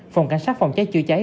phòng cảnh sát phòng cháy chữa cháy